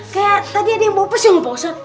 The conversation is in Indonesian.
kayak tadi ada yang bawa pes yang minta ustadz